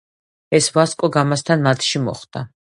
ეს „ვასკო და გამასთან“ მატჩში მოხდა.